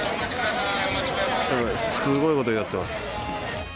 すごいことになっています。